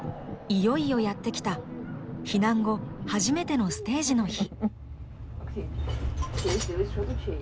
いよいよやってきた避難後初めてのステージの日。